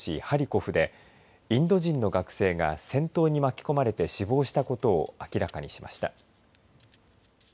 ハリコフでインド人の学生が戦闘に巻き込まれて死亡したことを明らかにしました。